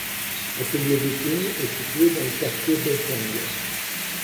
Atelier Viking est situé dans le quartier Bessengue.